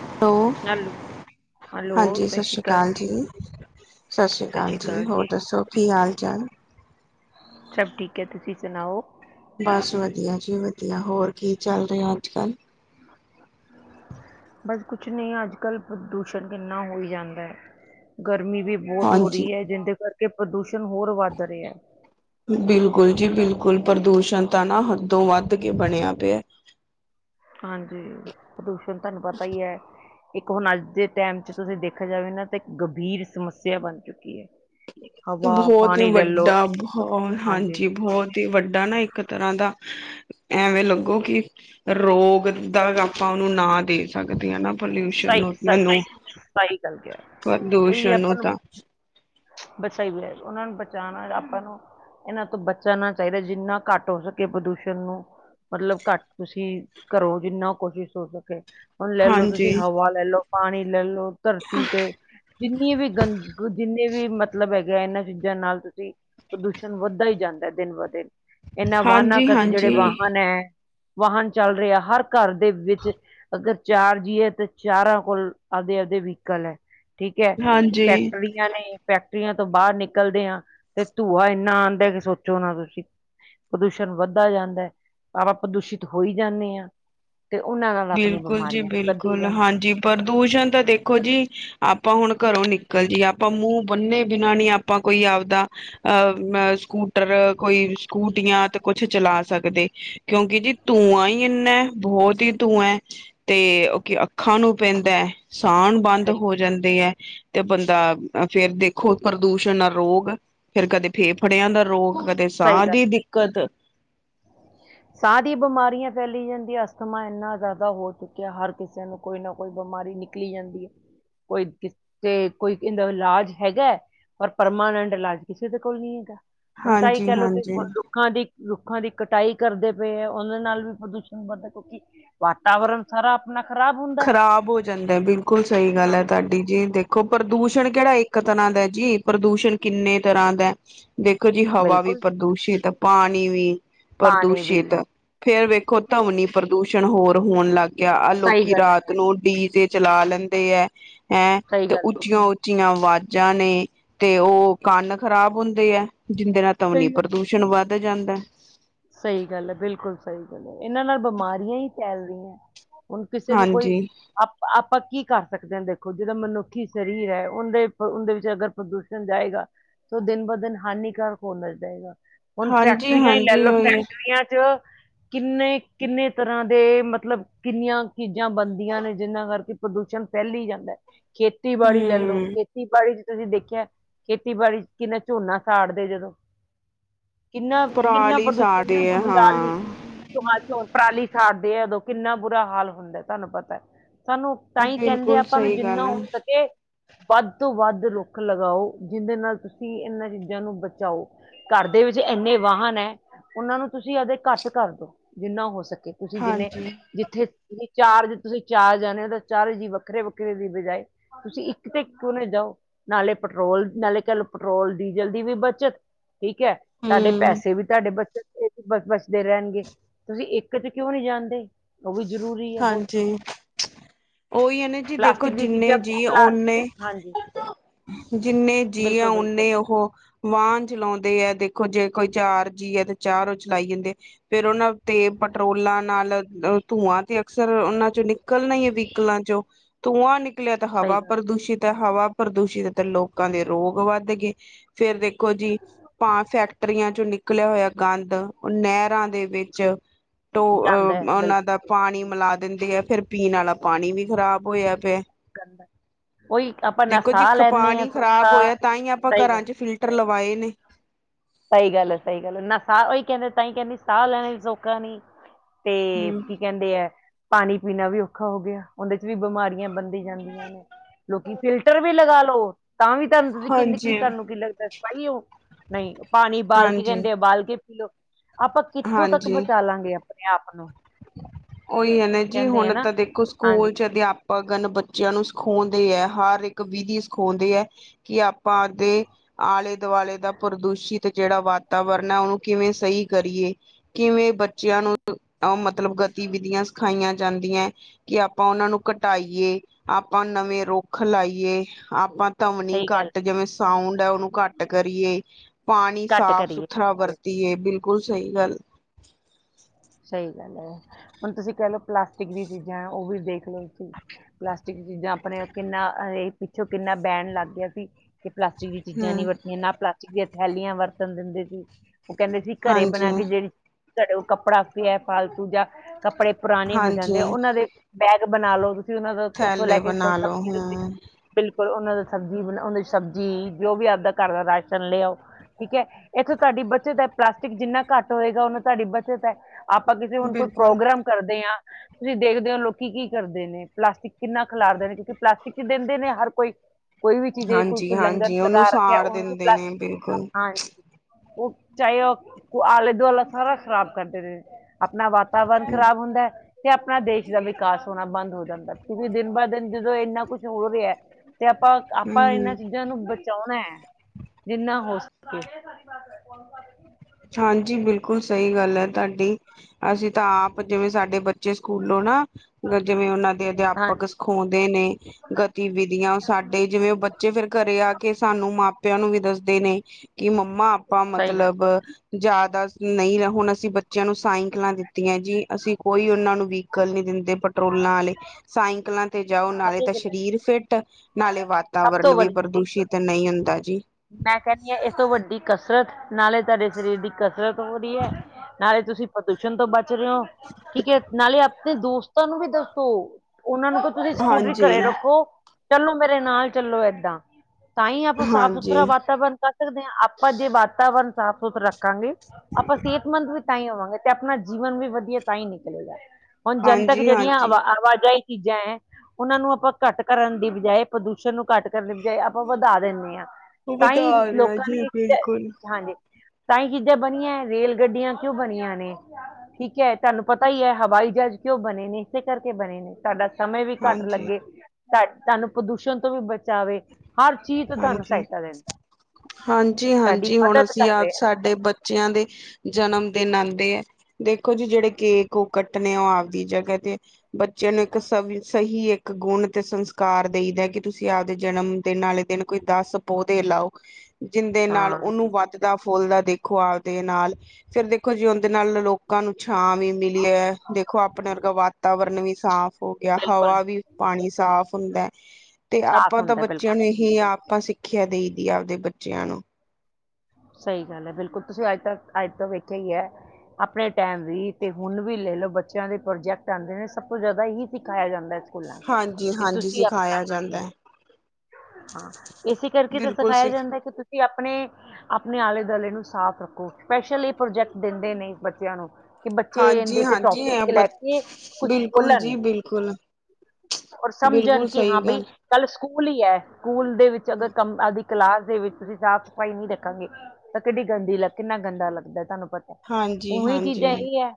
Hello hello ਹਾਂਜੀ ਸਤਿ ਸ਼੍ਰੀ ਕਾਲ ਜੀ। ਸਤਿ ਸ਼੍ਰੀ ਕਾਲ ਜੀ, ਹੋਰ ਦੱਸੋ ਕੀ ਹਾਲ ਚਾਲ? ਸਭ ਠੀਕ ਹੈ, ਤੁਸੀਂ ਸੁਣਾਓ? ਬਸ ਵਧੀਆ ਜੀ ਵਧੀਆ, ਹੋਰ ਕੀ ਚੱਲ ਰਿਹਾ ਅੱਜ-ਕੱਲ? ਬਸ ਕੁਛ ਨਹੀਂ ਅੱਜ ਕੱਲ੍ਹ ਪ੍ਰਦੂਸ਼ਣ ਕਿੰਨਾ ਹੋਈ ਜਾਂਦਾ ਹੈ, ਗਰ ਗਰਮੀ ਵੀ ਬਹੁਤ ਹੋ ਹਾਂਜੀ ਰਹੀ ਹੈ ਜਿਹਦੇ ਕਰਕੇ ਪ੍ਰਦੂਸ਼ਣ ਹੋਰ ਵੱਧ ਰਿਹਾ ਹੈ। ਬਿਲਕੁਲ ਜੀ ਬਿਲਕੁਲ। ਬਿਲਕੁਲ ਪ੍ਰਦੂਸ਼ਣ ਤਾਂ ਨਾ ਹਦੋਂ ਵੱਧ ਕੇ ਬਣਿਆ ਪਿਆ। ਹਾਂਜੀ ਪ੍ਰਦੂਸ਼ਣ ਤੁਹਾਨੂੰ ਪਤਾ ਹੀ ਹੈ। ਇੱਕ ਹੁਣ ਅੱਜ ਦੇ ਟਾਈਮ ਤੁਸੀਂ ਦੇਖਿਆ ਜਾਵੇ ਨਾ ਤਾਂ ਇੱਕ ਗੰਭੀਰ ਸਮੱਸਿਆ ਬਣ ਚੁੱਕੀ ਹੈ। ਠੀਕ। ਹਵਾ ਬਹੁਤ ਹੀ ਪਾਣੀ ਲੈ ਲਓ ਵੱਡਾ ਬਹੁਤ ਹਾਂਜੀ ਬਹੁਤ ਹੀ ਵੱਡਾ ਨਾ ਇੱਕ ਤਰ੍ਹਾਂ ਦਾ ਐਵੇਂ ਲੱਗੋ ਕਿ ਰੋਗ ਦਾ ਆਪਾਂ ਉਹਨੂੰ ਨਾ ਦੇ ਸਕ ਲਗਦੀਆਂ ਨਾ ਸਹੀ ਪੋਲਿਊਸ਼ਨ ਉਹਨਾਂ ਸਹੀ ਨੂੰ ਸਹੀ ਗੱਲ ਕਿਹਾ ਉਹੀ ਪ੍ਰਦੂਸ਼ਣ ਆਪਾਂ ਨੂੰ ਤਾਂ ਬਚਾਈ ਵੇ ਉਹਨਾਂ ਨੂੰ ਬਚਾਣਾ ਆਪਾਂ ਨੂੰ ਇਹਨਾਂ ਤੋਂ ਬਚਾਨਾ ਚਾਹੀਦਾ, ਜਿੰਨਾ ਘੱਟ ਹੋ ਸਕੇ ਪ੍ਰਦੂਸ਼ਣ ਨੂੰ ਮਤਲਬ ਘੱਟ ਤੁਸੀਂ ਘਰੋ ਜਿੰਨਾ ਕੋਸ਼ਿਸ਼ ਹੋ ਸਕੇ ਹੁਣ ਲੈ ਲਓ ਹਾਂਜੀ ਤੁਸੀਂ ਦੀ ਹਵਾ ਲੈਲੋ, ਪਾਣੀ ਲੈਲੋ ਧਰਤੀ ਤੇ ਜਿੰਨੀ ਵੀ ਗੰਦ ਜਿੰਨੇ ਵੀ ਮਤਲਬ ਹੈਗੇ ਇਹਨਾਂ ਚੀਜ਼ਾਂ ਨਾਲ ਤੁਸੀਂ ਪ੍ਰਦੂਸ਼ਣ ਵੱਧਦਾ ਹੀ ਜਾਂਦਾ ਦਿਨ ਬ ਦਿਨ। ਇਹਨਾਂ ਵਾਹਨਾਂ ਹਾਂਜੀ ਕਰਕੇ ਜਿਹੜੇ ਹਾਂਜੀ ਵਾਹਨ ਹੈ ਵਾਹਨ ਚੱਲ ਰਿਹਾ ਹਰ ਘਰ ਦੇ ਵਿੱਚ ਅਗਰ ਚਾਰ ਜੀ ਏ ਤੇ ਚਾਰਾਂ ਕੋਲ ਅਧੇ ਅਧੇ ਵਹੀਕਲ ਹੈ। ਠੀਕ ਹੈ, ਹਾਂਜੀ ਫੈਕਟਰੀਆਂ ਨੇ। ਫੈਕਟਰੀਆਂ ਤੋਂ ਬਾਹਰ ਨਿਕਲਦੇ ਆਂ ਤੇ ਧੂੰਆ ਇੰਨਾ ਆਔਦਾ ਕਿ ਸੋਚੋ ਨਾ ਤੁਸੀਂ। ਪ੍ਰਦੂਸ਼ਣ ਵੱਧਦਾ ਜਾਂਦਾ ਆਪਾਂ ਪ੍ਰਦੂਸ਼ਿਤ ਹੋ ਈ ਜਾਂਨੇ ਆ ਤੇ ਉਨਾਂ ਨਾਲ ਆਪਣੀ ਬਿਲਕੁਲ ਬਿਮਾਰੀਆਂ ਵੀ ਵ [unintelligible] ਹਾਂਜੀ ਪ੍ਰਦੂਸ਼ਣ ਤਾਂ ਦੇਖੋ ਜੀ ਆਪਾਂ ਹੁਣ ਘਰੋਂ ਨਿਕਲ ਜੀਏ ਆਪਾਂ ਮੂੰਹ ਬੰਨੇ ਬਿਨਾਂ ਨੀ ਆਪਾਂ ਕੋਈ ਆਪਦਾ ਅ ਸਕੂਟਰ ਕੋਈ ਸਕੂ ਸਕੂਟੀਆਂ ਤੇ ਕੁੱਛ ਚਲਾ ਸਕਦੇ ਕਿਉਂਕਿ ਜੀ ਧੂੰਆਂ ਈ ਇੰਨਾ ਬੋਹਤ ਈ ਤੂੰਐ ਤੇ ਕੀ ਅੱਖਾਂ ਨੂੰ ਪੈਂਦਾ ਸਾਣ ਬੰਦ ਸਹੀ ਹੋ ਜਾਂਦੇ ਐ ਤੇ ਬੰਦਾ ਫੇਰ ਦੇਖੋ ਪ੍ਰਦੂਸ਼ਣ ਨਾਲ ਰੋਗ ਫੇਰ ਕਦੇ ਫੇਫੜਿਆਂ ਦਾ ਰੋਕ ਕਦੇ ਸਹੀ ਸਾਹ ਗੱਲ ਦੀ ਦਿੱਕਤ ਸਾਹ ਦੀ ਬਿਮਾਰੀਆਂ ਫੈਲੀ ਜਾਂਦੀ ਅਸਥਮਾ ਇੰਨਾ ਜਾਦਾ ਹੋ ਚੁੱਕਿਆ ਹਰ ਕਿਸੇ ਨੂੰ ਕੋਈ ਨਾ ਕੋਈ ਬਿਮਾਰੀ ਨਿਕਲੀ ਜਾਂਦੀ ਐ ਕੋਈ ਕਿਸਤੇ ਕੋਈ ਇੰਦਾ ਇਲਾਜ ਹੈਗਾ ਪਰ ਪਰਮਾਨੈਂਟ ਇਲਾਜ ਕਿਸੇ ਦੇ ਕੋਲ ਨੀ ਹੈਗਾ ਹੁਣ ਤਾਂ ਏਹੀ ਹਾਂਜੀ ਕੈ ਲੌ ਕਿ ਹਾਂਜੀ ਰੁੱਖਾਂ ਦੀ ਰੁੱਖਾਂ ਦੀ ਕਟਾਈ ਕਰਦੇ ਪਏ ਐ ਓਨਾ ਨਾਲ ਵੀ ਪ੍ਰਦੂਸ਼ਣ ਵੱਧਦਾ ਕਿਉਂਕਿ ਵਾਤਾਵਰਨ ਸਾਰਾ ਆਪਣਾ ਖਰਾਬ ਹੁੰਦਾ ਹੈ ਖ਼ਰਾਬ ਹੋ ਜਾਂਦਾ ਬਿਲਕੁਲ ਸਈ ਗੱਲ ਹਾਂ। ਐ ਤੁਹਾਡੀ ਜੀ ਦੇਖੋ ਪ੍ਰਦੂਸ਼ਣ ਕਿਹੜਾ ਇੱ ਕ ਤਰ੍ਹਾਂ ਦਾ ਜੀ ਪ੍ਰਦੂਸ਼ਣ ਕਿੰਨੇ ਤਰ੍ਹਾਂ ਦਾ ਦੇਖੋ ਜੀ ਹਵਾ ਵੀ ਬਿਲਕੁਲ ਪ੍ਰਦੂਸ਼ਿਤ, ਪਾਣੀ ਵੀ ਪਾਣੀ ਵੀ ਪ੍ਰਦੂਸ਼ਿਤ ਫਿਰ ਵੇਖੋ ਧਵਨੀ ਪ੍ਰਦੂਸ਼ਣ ਹੋਰ ਹੋਣ ਲੱਗ ਗਿਆ ਆਹ ਸਹੀ ਲੋਕੀ ਗੱਲ ਹੈ ਰਾਤ ਨੂੰ ਡੀਜੇ ਚਲਾ ਲੈਂਦੇ ਐ ਹੈ ਸਹੀ ਤੇ ਗੱਲ ਹੈ ਉੱਚੀਆਂ-ਉੱਚੀਆਂ ਅਵਾਜ਼ਾਂ ਨੇ ਤੇ ਓ ਕੰਨ ਖ਼ਰਾਬ ਹੁੰਦੇ ਐ ਜਿੰਦੇ ਨਾਲ ਧਵਨੀ ਪ੍ਰਦੂਸ਼ਣ ਵੱਧ ਜਾਂਦਾ। ਸਈ ਗੱਲ ਹੈ ਬਿਲਕੁੱਲ ਸਈ ਗੱਲ ਐ ਏਨਾਂ ਨਾਲ ਬਿਮਾਰੀਆਂ ਈ ਫੈਲ ਰੀਐ ਹੁਣ ਕਿਸੇ ਨੂੰ ਕੋਈ ਹਾਂਜੀ ਆਪ ਆਪਾਂ ਕੀ ਕਰ ਸਕਦੇ ਆ ਦੇਖੋ ਜੇੜਾ ਮਨੁੱਖੀ ਸਰੀਰ ਐ ਉਂਦੇ ਉਂਦੇ ਵਿੱਚ ਅਗਰ ਪ੍ਰਦੂਸ਼ਣ ਜਾਏਗਾ ਤੇ ਓ ਦਿਨ ਬ ਦਿਨ ਹਾਨੀਕਾਰਕ ਹੂੰਦਾ ਜਾਏਗਾ ਹੁਣ ਹਾਂਜੀ ਫੈਕਟਰੀਆਂ ਈ ਲੈ ਹਾਂਜੀ ਲੌ ਉਹੀ ਹੈ ਫੈਕਟਰੀਆਂ ਚ ਕਿੰਨੇ-ਕਿੰਨੇ ਤਰ੍ਹਾਂ ਦੇ ਮਤਲਬ ਕਿੰਨੀਆਂ ਚੀਜ਼ਾਂ ਬਣਦੀਆਂ ਨੇ ਜਿਨਾਂ ਕਰਕੇ ਪ੍ਰਦੂਸ਼ਣ ਫੈਲੀ ਜਾਂਦਾ ਖੇਤੀਬਾੜੀ ਲਓ ਹਮ ਖੇਤੀਬਾੜੀ ਤੁਸੀਂ ਦੇਖਿਆ ਖੇਤੀਬਾੜੀ ਚ ਕਿੰਨਾ ਝੋਨਾ ਸਾੜਦੇ ਜਦੋਂ ਕਿੰਨਾ-ਕਿੰਨਾ ਪਰਾਲੀ ਪ੍ਰਦੂਸ਼ਣ ਸਾੜਦੇ ਹੁੰਦਾ ਆ ਹਾਂ [unintelligible] ਪਰਾਲੀ ਸਾਡਦੇ ਆ ਓਦੋਂ ਕਿੰਨਾ ਬੁਰਾ ਹਾਲ ਹੁੰਦਾ ਤੁਹਾਨੂੰ ਪਤਾ ਸਾਨੂੰ ਤਾਂ ਹੀ ਕੈਦੇ ਬਿਲਕੁਲ ਆਪਾਂ ਨੂੰ ਸਹੀ ਗੱਲ ਜਿੰਨਾ ਹੈ ਹੋ ਸਕੇ ਵੱਧ ਤੋਂ ਵੱਧ ਰੁੱਖ ਲਗਾਓ ਜੀਂਦੇ ਨਾਲ ਤੁਸੀਂ ਏਨਾਂ ਚੀਜ਼ਾਂ ਨੂੰ ਬਚਾਓ ਕਰਦੇ ਵਿਚ ਏਨੇ ਵਾਹਨ ਐ ਉਨਾਂ ਨੂੰ ਤੁਸੀਂ ਅਦੇ ਘੱਟ ਕਰਦੋ ਜਿੰਨਾ ਹੋ ਸਕੇ ਤੁਸੀਂ ਜਿੰਨੇ ਹਾਂਜੀ ਜਿੱਥੇ ਚਾਰ ਜੇ ਤੁਸੀਂ ਚਾਰ ਜਾਣੇ ਓ ਤਾਂ ਚਾਰੇ ਜੀ ਵੱਖਰੇ-ਵੱਖਰੇ ਦੀ ਬਜਾਏ ਤੁਸੀਂ ਇੱਕ ਤੇ ਇੱਕਨ ਜਾਓ ਨਾਲੇ ਪੈਟਰੋਲ ਨਾਲੇ ਕੈ ਲੌ ਪੈਟਰੋਲ ਡੀਜ਼ਲ ਦੀ ਵੀ ਬੱਚਤ ਠੀਕ ਐ ਤੁਹਾਡੇ ਹਮ ਪੈਸੇ ਵੀ ਤੁਹਾਡੇ ਬੱਚਤ [unintelligible] ਬਚ ਬਚਦੇ ਰੈਣਗੇ ਤੁਸੀਂ ਇੱਕ ਚ ਕਿਉਂ ਨੀ ਜਾਂਦੇ ਓ ਵੀ ਜ਼ਰੂਰੀ ਐ ਬੋਤ ਓਹੀ ਐ ਨਾ ਜੀ ਦੇਖੋ ਜਿੰਨੇ ਜੀ ਪਲਾ ਓਨੇ ਹਾਂਜੀ ਜਿੰਨੇ ਜੀਅ ਆ ਬਿਲਕੁਲ ਬਿਲਕੁਲ ਓਨੇ ਓਹ ਵਾਹਨ ਚਲਾਉਂਦੇ ਐ ਦੇਖੋ ਜੇ ਕੋਈ ਚਾਰ ਜੀ ਐ ਤੇ ਚਾਰ ਓ ਚਲਾਈ ਜਾਂਦੇ ਫਿਰ ਓਨਾਂ ਤੇ ਪੈਟਰੋਲਾਂ ਨਾਲ ਧੂੰਆਂ ਤੇ ਅਕਸਰ ਓਨਾ ਚੋਂ ਨਿਕਲਣਾ ਈ ਐ ਵੀਕਲਾਂ ਚੋਂ ਧੂੰਆਂ ਨੀ ਨਿਕਲਾ ਤਾਂ ਸਹੀ ਹਵਾ ਗੱਲ ਪ੍ਰਦੂਸ਼ਿਤ ਐ ਹਵਾ ਪ੍ਰਦੂਸ਼ਿਤ ਤੇ ਲੋਕਾਂ ਦੇ ਰੋਗ ਵੱਧ ਗੇ ਫਿਰ ਦੇਖੋ ਜੀ ਭਾ ਫੈਕਟਰੀਆਂ ਚ ਨਿਕਲਿਆ ਹੋਇਆ ਗੰਦ ਓ ਨੇਰਾਂ ਦੇ ਵਿੱਚ ਟੋ ਹੈ। ਜਾਂਦਾ ਹੈ ਅ ਓਨਾਂ ਬਿਲਕੁਲ ਦਾ ਪਾਣੀ ਮਿਲਾ ਦਿੰਦੇ ਆ ਫਿਰ ਪੀਣ ਆਲਾ ਪਾਣੀ ਵੀ ਖ਼ਰਾਬ ਹੋਇਆ ਪਿਆ। ਗੰਦਾ। ਦੇਖੋ ਜੀ ਖ ਪਾਣੀ ਖ਼ਰਾਬ ਸੌਖਾ ਹੋਇਆ ਤਾਂ ਈ ਆਪਾਂ ਘਰਾਂ ਚ ਫਿਲਟਰ ਲਵਾਏ ਨੇ ਸਈ ਗੱਲ ਐ ਸਈ ਗੱਲ ਨਾ ਸਾਹ ਓਹੀ ਕੈਂਦੀ ਤਾਂਹੀ ਕੈਂਦੀ ਸਾਹ ਲੈਣਾ ਵੀ ਸੌਖਾ ਨੀ ਤੇ ਹੂੰ, ਕੀ ਕੈਂਦੇ ਐ ਪਾਣੀ ਪੀਣਾ ਵੀ ਔਖਾ ਹੋ ਗਿਆ ਉਹਦੇ ਚ ਵੀ ਬਿਮਾਰੀਆਂ ਬਣਦੀ ਜਾਂਦੀਆਂ ਨੇ, ਲੋਕੀ ਫਿਲਟਰ ਵੀ ਲਗਾ ਲਓ। ਤਾਂ ਵੀ ਤੁਹਾਨੂੰ ਤੁਸੀਂ ਕਹਿੰਦੇ ਕੀ ਹਾਂਜੀ। ਤੁਹਾਨੂੰ ਕੀ ਲੱਗਦਾ ਭਾਈ ਉਹ ਨਹੀਂ ਪਾਣੀ ਬਾਲ ਕੇ ਹਾਂਜੀ, ਕਹਿੰਦੇ ਆ ਬਾਲ ਕੇ, ਆਪਾਂ ਕਿੱਥੋਂ ਤੱਕ ਹਾਂਜੀ। ਬਚਾਲਾਂਗੇ ਆਪਣੇ ਆਪ ਨੂੰ, ਉਹੀ ਹੈ ਨਾ ਜੀ ਕਹਿੰਦੇ ਹੈ ਹੁਣ ਨਾ ਤਾਂ ਦੇਖੋ ਹਾਂਜੀ ਸਕੂਲ ਚ ਅਧਿਆਪਕ ਬੱਚਿਆਂ ਨੂੰ ਸਕੂਲ ਸਿਖਾਦੇ ਹੈ ਹਰ ਇੱਕ ਵਿਧੀ ਸਿਖਾਉਂਦੇ ਹੈ ਕਿ ਆਪਾਂ ਦੇ ਆਲੇ ਦੁਆਲੇ ਦਾ। ਪ੍ਰਦੂਸ਼ਿਤ ਜਿਹੜਾ ਵਾਤਾਵਰਨ ਹੈ ਉਹਨੂੰ ਕਿਵੇਂ ਸਹੀ ਕਰੀਏ ਕਿਵੇਂ? ਬੱਚਿਆਂ ਨੂੰ ਉਹ ਮਤਲਬ ਗ ਸਿਖਾਈਆਂ ਜਾਂਦੀਆਂ ਕਿ ਆਪਾਂ ਉਹਨਾਂ ਨੂੰ ਘਟਾਈਏ, ਆਪਾਂ ਨਵੇਂ ਰੁੱਖ ਲਾਈਏ ਆਪਾਂ ਧਵਨੀ ਸਹੀ ਗੱਲ ਘੱਟ ਜਿਵੇਂ ਸਾਊਂ ਉਹਨੂੰ ਘੱਟ ਕਰੀਏ ਪਾਣੀ ਘੱਟ ਸਾਫ ਸੁਥਰਾ ਕਰੀਏ ਵਰਤੀਏ ਬਿਲਕੁਲ, ਬਿਲਕੁਲ ਸਹੀ ਗੱਲ ਐ। ਸਹੀ ਗੱਲ ਹੈ ਹੁਣ ਤੁਸੀਂ ਕਹਿ ਲਓ ਪਲਾਸਟਿਕ ਦੀਆਂ ਚੀਜ਼ਾਂ ਉਹ ਵੀ ਦੇਖ। ਪਲਾਸਟਿਕ ਚੀਜ਼ਾਂ ਆਪਣੇ ਕਿੰਨਾ ਇਹ ਪਿੱਛੋਂ ਕਿੰਨਾ ਬਹਿਣ ਲੱਗ ਗਿਆ ਸੀ। ਕਿ ਪਲਾਸਟਿਕ ਦੀ ਚੀਜ਼ਾਂ ਨੀ ਹਮ ਵਰਤੀਆਂ ਨਾ ਪਲਾਸਟਿਕ ਦੀਆਂ ਥੈਲੀਆਂ ਵਰਤਣ ਦਿੰਦੇ ਸੀ। ਉਹ ਕਹਿੰਦੇ ਸੀ ਘਰੇ ਹਾਂਜੀ ਬਣਾ ਕੇ ਜਿਹੜੀ ਘ ਕੱਪੜਾ ਪਿਆ ਫਾਲਤੂ ਜਾਂ, ਕੱਪੜੇ ਪੁਰਾਣੇ ਹੋ ਜਾਂਦੇ ਹਾਂਜੀ ਉਹਨਾਂ ਦੇ ਬੈਗ ਬਣਾ ਲਓ। ਉਹਨਾਂ ਦਾ ਉੱਥੋਂ ਥੈਲੇ ਲੈ ਕੇ ਬਣਾ ਲੋ ਸੀ ਹੂੰ ਬਿਲਕੁਲ ਉਹਨਾਂ ਦਾ ਸਬਜ਼ੀ ਬਣਾਓ ਉਹ ਦੀ ਸਬਜ਼ੀ ਜੋ ਵੀ ਆਪਦਾ ਘਰ ਦਾ ਰਾਸ਼ਨ ਲਿਆਓ ਠੀਕ ਹੈ ਇੱਥੋਂ ਘ- ਤੁਹਾਡੀ ਬੱਚਤ ਹੈ ਪਲਾਸਟਿਕ ਜਿੰਨਾ ਘੱਟ ਹੋਏਗਾ ਔਨੀ ਤੁਹਾਡੀ ਬੱਚਤ ਹੈ। ਆਪਾਂ ਕਿਸੇ ਹੁਣ ਕੋਈ ਬਿਲਕੁਲ ਪ੍ਰੋਗਰਾਮ ਕਰਦੇ ਹਾਂ। ਤੁਸੀਂ ਦੇਖਦੇ ਹੋ ਲੋਕੀ ਕੀ ਕਰਦੇ ਨੇ ਪਲਾਸਟਿਕ ਕਿੰਨਾ ਖਿਲਾਰਦੇ ਨੇ ਕਿਉਂਕਿ ਪਲਾਸਟਿਕ ਚ ਦਿੰਦੇ ਨੇ ਹਰ ਕੋਈ ਕੋਈ ਵੀ ਚੀਜ਼ ਕੋ ਕੋ ਲੰਗਰ ਹਾਂਜੀ-ਹਾਂਜੀ ਲਗਾ ਉਹਨੂੰ ਰੱਖਿਆ ਸਾੜ ਉਹ ਦਿੰਦੇ ਨੇ ਬਿਲਕੁਲ ਹਾਂ। ਉਹ ਚਾਹੇ ਉਹ ਆਲੇ ਦੁਆਲਾ ਸਾਰਾ ਖ਼ਰਾਬ ਕਰਦੇ ਆਪਣਾ ਵਾਤਾਵਰਣ ਖਰਾਬ ਹੁੰਦਾ। ਤੇ ਆਪਣਾ ਦੇਸ਼ ਦਾ ਵਿਕਾਸ ਹੋਣਾ ਬੰਦ ਹੋ ਜਾਂਦਾ ਕਿਉਂਕਿ ਦਿਨ ਬ ਦਿਨ ਜਦੋਂ ਇੰਨਾ ਕੁਛ ਹੋ ਰਿਹਾ। ਤੇ ਆਪਾਂ ਆਪਾਂ ਇਹਨਾਂ ਹੂੰ ਚੀਜ਼ਾਂ ਨੂੰ ਬਚਾਉਣਾ ਹੈ ਜਿੰਨਾ ਹੋ ਸਕੇ, ਇਹ ਸਾਰੀ ਬਾਤ ਹੈ ਕੌਣਸ, ਹਾਂਜੀ ਬਿਲਕੁਲ ਸਹੀ ਗੱਲ ਹੈ ਤੁਹਾਡੀ, ਅਸੀਂ ਤਾਂ ਆਪ ਜਿਵੇਂ ਸਾਡੇ ਬੱਚੇ ਸਕੂਲੋਂ ਨਾ, ਜਿਵੇਂ ਉਹਨਾਂ ਦੇ ਹਾਂ ਅਧਿਆਪਕ ਸਿਖਾਦੇ ਨੇ ਗਤੀ ਵਿਧੀਆਂ ਸਾਡੇ ਜਿਵੇਂ ਉਹ ਬੱਚੇ, ਫੇਰ ਘਰੇ ਆ ਕੇ ਸਾਨੂੰ ਮਾਪਿਆਂ ਨੂੰ ਵੀ ਦੱਸਦੇ ਨੇ ਕਿ ਮੰਮਾ ਆਪਾਂ ਸਹੀ ਗੱਲ ਮਤਲਬ? ਜ਼ਿਆਦਾ ਨਹੀਂ ਹੁਣ ਅਸੀਂ ਬੱਚਿਆਂ ਨੂੰ ਸਾਇਕਲਾਂ ਦਿੱਤੀਆਂ ਜੀ ਅਸੀਂ ਕੋਈ ਉਹਨਾਂ ਨੂੰ ਵੀਹੀਕਲ ਨੀ ਦਿੰਦੇ। ਪੈਟਰੋਲਾਂ ਵਾਲੇ ਸਾਈਕਲਾਂ ਤੇ ਜਾਓ ਨਾਲੇ ਵਧੀਆ ਤਾਂ ਗੱਲ ਹੈ ਸਰੀਰ ਫਿੱਟ ਨਾਲੇ ਸਭ ਵਾਤਾਵਰਨ ਤੋਂ ਵੀ ਵਧੀਆ ਜੀ ਪ੍ਰਦੂਸ਼ਿਤ ਨਹੀਂ ਹੁੰਦਾ ਜੀ। ਮੈਂ ਕਹਿੰਦੀ ਆ ਇਸ ਤੋਂ ਵੱਡੀ ਕਸਰਤ ਨਾਲੇ ਤੁਹਾਡੇ ਸਰੀਰ ਦੀ ਕਸਰਤ, ਹੋ ਰਹੀ ਹੈ ਨਾਲੇ ਤੁਸੀਂ ਪ੍ਰਦੂਸ਼ਣ ਤੋਂ ਬਚ ਰਹੇ ਹੋ ਠੀਕ ਹੈ ਨਾਲੇ ਆਪਾਂ, ਤੇ ਦੋਸਤਾਂ ਨੂੰ ਵੀ ਦੱਸੋ ਉਹਨਾਂ ਨੂੰ ਕਿ ਤੁਸੀਂ ਸਕੂਟਰੀ ਹਾਂਜੀ ਘਰੇ ਰੱਖੋ? ਚਲੋ ਮੇਰੇ ਨਾਲ ਚੱਲੋ ਏਦਾਂ ਤਾਂ ਹੀ ਆਪਾਂ ਸਾਫ਼ ਸੁ ਹਾਂਜੀ ਰਾ ਵਾਤਾਵਰਨ ਕਰ ਸਕਦੇ ਹਾਂ ਆਪਾਂ ਜੇ ਵਾਤਾਵਰਨ ਸਾਫ਼ ਸੁਥਰਾ ਰੱਖਾਂਗੇ ਆਪਾਂ ਸਿਹਤਮੰਦ, ਤਾਂ ਹੀ ਹੋਵਾਂਗੇ ਤੇ ਆਪਣਾ ਜੀਵਨ ਵੀ ਵਧੀਆ ਤਾਂ ਹੀ ਨਿਕਲੇਗਾ ਹੁਣ ਜਨਤਕ ਹਾਂਜੀ ਜਿਹੜੀਆਂ ਹਾਂਜੀ ਆਵਾ ਆਵਾਜਾਂ ਚੀਜਾ ਐ, ਉਹਨਾਂ ਨੂੰ ਆਪਾਂ ਘੱਟ ਕਰਨ ਦੀ ਬਜਾਏ ਪ੍ਰਦੂਸ਼ਣ ਨੂੰ ਘੱਟ ਕਰਨ ਦੀ ਬਜਾਏ ਆਪਾਂ ਵਧਾ ਦਿੰਦੇ ਹਾਂ। ਉਹ ਤਾਂ ਹੀ ਵਧਾ ਰਿਹਾ ਲੋਕਾਂ ਜੀ ਨੇ ਕਿਤੇ ਬਿਲਕੁਲ ਹਾਂਜੀ। ਤਾਂ ਹੀ ਚੀਜ਼ਾਂ ਬਣੀਆਂ ਰੇਲ ਗੱਡੀਆਂ ਕਿਉਂ ਬਣੀਆਂ ਨੇ ਠੀਕ ਹੈ ਤੁਹਾਨੂੰ ਪਤਾ ਹੀ ਹੈ ਹਵਾਈ ਜਹਾਜ਼ ਕਿਉਂ ਬਣੇ ਨੇ ਇਸੇ ਕਰਕੇ ਬਣੇ ਨੇ ਸਾਡਾ, ਸਮੇਂ ਵੀ ਘੱਟ ਹਾਂਜੀ ਲੱਗੇ ਤੁਹਾਨੂੰ ਪ੍ਰਦੂਸ਼ਣ ਤੋਂ ਵੀ ਬਚਾਵੇ ਹਰ ਚੀਜ਼ ਤੋਂ ਤੁਹਾਨੂੰ ਸਾਈਤ, ਹਾਂਜੀ-ਹਾਂਜੀ ਹੁਣ ਮਦਦ ਅਸੀਂ ਕਰ ਆਪ ਰਿਹਾ ਹੈ। ਸਾਡੇ ਬੱਚਿਆਂ ਦੇ ਜਨਮ ਦਿਨ, ਆਦੇ ਆ ਦੇਖੋ ਜੀ ਜਿਹੜੇ ਕੇਕ ਉਹ ਕੱਟਣੇ ਆ ਉਹ ਆਪਦੀ ਜਗ੍ਹਾ ਤੇ, ਬੱਚਿਆਂ ਨੂੰ ਇੱਕ ਸਵ ਸਹੀ ਇੱਕ ਗੁਣ ਤੇ ਸੰਸਕਾਰ ਦੇਈ ਦਾ ਕਿ ਤੁਸੀਂ ਆਪਦੇ, ਜਨਮ ਦਿਨ ਆਲ਼ੇ ਦਿਨ ਕੋਈ ਦਸ ਪੌਦੇ ਲਾਓ ਜਿੰਦੇ ਨਾਲ ਹਾਂ ਉਹਨੂੰ ਵਾਤਾ। ਫੁੱਲ ਦਾ ਦੇਖੋ ਆਪਦੇ ਨਾਲ ਫੇਰ ਦੇਖੋ ਜੀ ਉਹਦੇ ਨਾਲ ਲੋਕਾਂ ਨੂੰ। ਛਾਂ ਵੀ ਮਿਲੀ ਹੈ ਦੇਖੋ ਆਪਣਾਂ ਤੋਂ ਵਾਤਾਵਰਨ ਵੀ ਸਾਫ਼। ਹੋ ਗਿਆ ਬਿਲਕੁਲ ਹਵਾ ਵੀ ਪਾਣੀ ਸਾਫ਼ ਹੁੰਦਾ ਤੇ ਸਾਫ਼ ਆਪਾਂ ਤਾਂ ਹੁੰਦਾ ਹੈ, ਬੱਚਿਆਂ ਬਿਲਕੁਲ ਨੂੰ ਇਹੀ। ਆਪਾਂ ਸਿੱਖਿਆ ਦੇ ਦੀ ਆਪਦੇ ਬੱਚਿਆਂ ਨੂੰ? ਸਹੀ ਗੱਲ ਹੈ ਬਿਲਕੁਲ ਤੁਸੀਂ ਅੱਜ ਤੱਕ ਅੱਜ ਤੋਂ ਵੇਖਿਆ ਹੀ ਹੈ। ਆਪਣੇ ਟਾਈਮ ਵੀ ਤੇ ਹੁਣ ਵੀ ਲੈ ਲਓ ਬੱਚਿਆਂ ਦੇ ਪ੍ਰੋਜੈਕਟ ਆਉਂਦੇ ਨੇ ਸਭ ਤੋਂ ਜ਼ਿਆਦਾ ਹੀ ਸਿਖਾਇਆ ਜਾਂਦਾ ਹੈ। ਫੁੱਲਾਂ ਵੀ ਹਾਂਜੀ-ਹਾਂਜੀ ਤੁਸੀਂ ਆਪਣਾ ਸਿਖਾਇਆ ਹਾਂਜੀ। ਜਾਂਦਾ ਹੈ ਹਾਂ ਇਸੇ ਕਰਕੇ ਤਾਂ ਬਿਲਕੁਲ ਸਿਖਾਇਆ ਸਿਖ ਜਾਂਦਾ ਕਿ ਤੁਸੀਂ ਆਪਣੇ? ਆਪਣੇ ਆਲੇ ਦੁਆਲੇ ਨੂੰ ਸਾਫ਼ ਰੱਖੋ। ਸਪੈਸ਼ਲ ਇਹ ਪ੍ਰੋਜੈਕਟ ਦਿੰਦੇ ਨੇ ਬੱਚਿਆਂ ਨੂੰ। ਕਿ ਬੱਚੇ ਇਹਦੇ ਤੇ ਹਾਂਜੀ-ਹਾਂਜੀ ਟੋਪਿਕ ਤੇ ਲੈ ਕੇ ਕੁਛ ਬਿਲਕੁਲ ਬੋਲਣ। ਜੀ ਬਿਲਕੁਲ, ਔਰ ਸਮਝਣ ਬਿਲਕੁਲ ਕਿ ਸਹੀ ਹਾਂ ਬਾਈ ਗੱਲ। ਕੱਲ। ਸਕੂਲ ਹੀ ਹੈ ਸਕੂਲ ਦੇ ਵਿੱਚ ਅਗਰ ਕੰਮ ਆਦਿ ਆਵਦੀ ਕਲਾਸ ਦੇ ਵਿੱਚ ਤੁਸੀਂ ਸਾਫ਼ ਸਫਾਈ ਨਹੀਂ ਰੱਖਾਂਗੇ ਤਾਂ ਕਿੰਡੀ ਗੰਦੀ ਲੱਗਦੀ ਕਿੰਨਾ ਗੰਦਾ ਲੱਗਦਾ ਤੁਹਾਨੂੰ ਪਤਾ ਉਹੀ ਹਾਂਜੀ-ਹਾਂਜੀ, ਚੀਜ਼ਾਂ ਹੈਗੀ ਹੈ।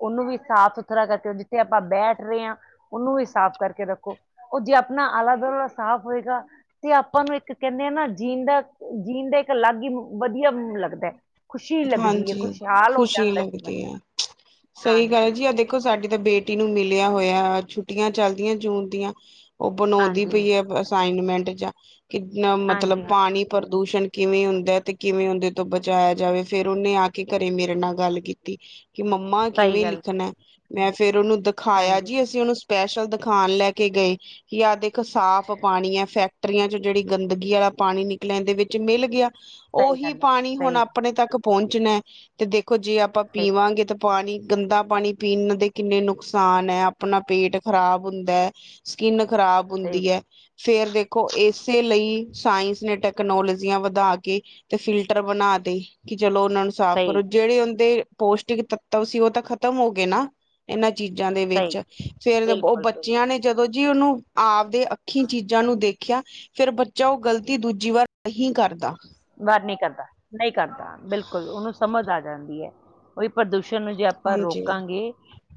ਉਹਨੂੰ ਵੀ ਸਾਫ ਸੁਥਰਾ ਕਰਕੇ ਜਿੱਥੇ ਆਪਾਂ ਬੈਠ ਰਹੇ ਹਾਂ ਉਹਨੂੰ ਵੀ ਸਾਫ਼ ਕਰਕੇ ਰੱਖੋ। ਉਹ ਜੇ ਆਪਣਾ ਆਲਾ ਦੁਆਲਾ ਸਾਫ਼ ਹੋਏਗਾ ਤੇ ਆਪਾਂ ਨੂੰ ਇੱਕ ਕਹਿੰਦੇ ਆ ਨਾ ਜੀਣ ਦਾ ਜੀਣ ਦਾ। ਇੱਕ ਅਲੱਗ ਹੀ ਵਧੀਆ ਨੂੰ ਲੱਗਦਾ। ਖੁਸ਼ੀ ਲੱਗਦੀ ਹੈ ਹਾਂਜੀ ਖੁਸ਼ਹਾਲ ਹੋ ਖੁਸ਼ੀ ਜਾਂਦਾ ਜੀਵਨ ਲੱਗਦੀ ਹੈ ਸਹੀ ਗੱਲ ਹਾਂਜੀ ਜੀ ਆ ਦੇਖੋ ਸਾਡੀ ਤਾਂ ਬੇਟੀ। ਬੇਟੀ ਨੂੰ ਮਿਲਿਆ ਹੋਇਆ ਛੁੱਟੀਆਂ ਚਲਦੀਆਂ ਜੂਨ ਦੀਆਂ। ਉਹ ਬਣਾਉਂਦੀ ਹਾਂਜੀ ਪਈ ਹੈ ਅਸਾਈਨਮੈਂਟ ਜਾਂ ਕਿੰਨਾ ਮਤਲਬ ਹਾਂਜੀ ਹਾਂ ਪਾਣੀ, ਪ੍ਰਦੂਸ਼ਣ। ਕਿਵੇਂ ਹੁੰਦਾ ਤੇ ਕਿਵੇਂ ਉਹਦੇ ਤੋਂ ਬਚਾਇਆ ਜਾਵੇ ਫੇਰ ਉਹਨੇ ਆ ਕੇ ਘਰੇ ਮੇਰੇ ਨਾਲ ਗੱਲ ਕੀਤੀ। ਕਿ ਮੰਮਾ ਸਹੀ ਕਿਵੇਂ ਗੱਲ ਲਿਖਣਾ ਹੈ। ਮੈਂ ਫੇਰ ਉਹਨੂੰ ਦਿਖਾਇਆ ਹਾਂਜੀ ਜੀ ਅਸੀਂ ਉਹਨੂੰ। ਸਪੈਸ਼ਲ ਦਿਖਾਣ ਲੈ ਕੇ ਗਏ ਕਿ ਆਹ ਦੇਖ ਸਾਫ਼ ਪਾਣੀ ਹੈ। ਫੈਕਟਰੀਆਂ 'ਚ ਜਿਹੜੀ ਗੰਦਗੀ ਵਾਲਾ। ਪਾਣੀ ਨਿਕਲੀਆਂ ਇਹ ਦੇ ਵਿੱਚ ਮਿਲ ਗਿਆ। ਸਹੀ ਉਹੀ ਗੱਲ ਹੈ ਪਾਣੀ ਹੁਣ ਸਹੀ ਆਪਣੇ ਤੱਕ ਪਹੁੰਚਣਾ ਤੇ ਦੇਖੋ ਜੇ ਆਪਾਂ ਸਹੀ ਪੀਵਾਂਗੇ ਤਾਂ। ਪਾਣੀ ਗੰਦਾ ਪਾਣੀ ਪੀਣ ਦੇ ਕਿੰਨੇ ਨੁਕਸਾਨ ਹੈ। ਆਪਣਾ ਪੇਟ ਖ਼ਰਾਬ ਹੁੰਦਾ ਹੈ। ਸਕਿੰਨ ਖ਼ਰਾਬ ਸਹੀ ਹੁੰਦੀ ਹੈ। ਫੇਰ ਦੇਖੋ ਇਸੇ ਲਈ? ਸਾਇੰਸ ਨੇ ਟੈਕਨੋਲੋਜੀਆਂ ਵਧਾ ਕੇ ਤੇ ਫਿਲਟਰ ਬਣਾ ਤੇ। ਕਿ ਚਲੋ ਉਹਨਾਂ ਨੂੰ ਸਾਫ਼ ਸਹੀ ਕਰੋ। ਜਿਹੜੇ ਉਹਦੇ ਪੋਸ਼ਟਿਕ ਤੱਤਵ ਸੀ ਉਹ ਤਾਂ ਖ਼ਤਮ ਹੋ ਗਏ ਨਾ। ਇਹਨਾਂ ਚੀਜ਼ਾਂ ਦੇ ਵਿੱਚ ਸਹੀ ਫੇਰ ਉਹ ਬਿਲਕੁਲ ਬਿਲਕੁਲ ਬੱਚਿਆਂ ਨੇ ਜਦੋਂ ਜੀ ਉਹਨੂੰ ਆਪਦੇ। ਅੱਖੀ ਚੀਜ਼ਾਂ ਨੂੰ ਦੇਖਿਆ ਫੇਰ ਬੱਚਾ ਉਹ ਗ਼ਲਤੀ ਦੂਜੀ ਵਾਰ ਨਹੀਂ ਕਰਦਾ। ਵਾਰ ਨਹੀਂ ਕਰਦਾ ਨਹੀਂ ਕਰਦਾ ਬਿਲਕੁਲ ਉਹਨੂੰ ਸਮਝ ਆ ਜਾਂਦੀ ਹੈ ਉਹੀ। ਪ੍ਰਦੂਸ਼ਣ ਨੂੰ ਜੇ ਆਪਾਂ ਹਾਂਜੀ ਰੋਕਾਂਗੇ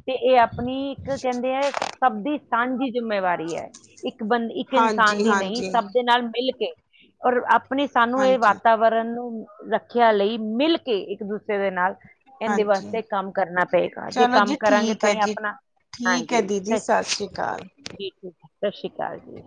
ਤੇ ਇਹ ਆਪਣੀ ਇੱਕ ਕਹਿੰਦੇ ਹੈ ਸਭ ਦੀ। ਸਾਂਝੀ ਜਿੰਮੇਵਾਰੀ ਹੈ ਇੱਕ ਬੰਦਾ ਇੱਕ ਇਨਸਾਨ ਹਾਂਜੀ ਦੀ ਨਹੀਂ ਹਾਂਜੀ ਸਭ ਦੇ ਨਾਲ ਮਿਲ। ਕੇ ਔਰ ਆਪਣੇ ਸਾਨੂੰ ਇਹ। ਹਾਂਜੀ ਕਰਨ ਨੂੰ ਰੱਖਿਆ ਲਈ ਮਿਲ ਕੇ ਇੱਕ ਦੂਸਰੇ ਦੇ ਨਾਲ। ਇਹਦੇ ਹਾਂਜੀ ਵਾਸਤੇ ਕੰਮ ਕਰਨਾ ਪਏਗਾ ਜੇ ਚਲੋ ਜੀ ਕੰਮ ਕਰਾਂਗੇ ਠੀਕ ਤਾਂ ਹੈ ਹੀ ਜੀ ਆਪਣਾ। ਠੀਕ ਹੈ ਹਾਂਜੀ ਦੀਦੀ ਸਤਿ ਸ਼੍ਰੀ ਅਕਾਲ ਠੀਕ ਹੈ ਜੀ। ਸਤਿ ਸ੍ਰੀ ਅਕਾਲ ਜੀ।